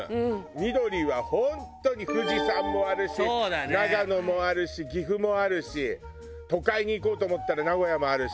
緑は本当に富士山もあるし長野もあるし岐阜もあるし都会に行こうと思ったら名古屋もあるし。